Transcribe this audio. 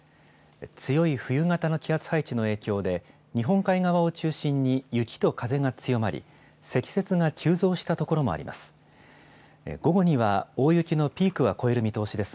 強い冬型の気圧配置の影響で、日本海側を中心に雪と風が強まり、積雪が急増した所もあります。